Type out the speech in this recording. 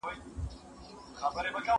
زه کتاب ليکلی دی.